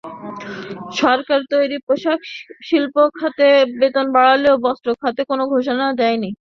সরকার তৈরি পোশাকশিল্প খাতে বেতন বাড়ালেও বস্ত্র খাতে কোনো ঘোষণা দেয়নি।